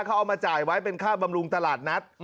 เขาเอามาจ่ายไว้เป็นค่าบำรุงตลาดนัด